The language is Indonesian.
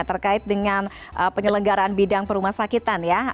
terkait dengan penyelenggaraan bidang perumah sakitan ya